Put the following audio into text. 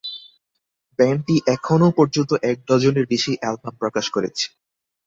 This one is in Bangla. ব্যান্ডটি এখনো পর্যন্ত এক ডজনের বেশি অ্যালবাম প্রকাশ করেছে।